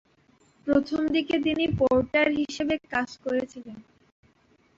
প্রথমদিকে তিনি পোর্টার হিসাবে কাজ করেছিলেন।